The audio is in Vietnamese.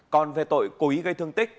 còn về tội cố ý gây thương tích